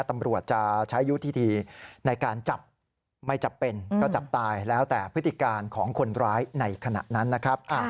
ตำรวจจะใช้ยุทธิในการจับไม่จับเป็นก็จับตายแล้วแต่พฤติการของคนร้ายในขณะนั้นนะครับ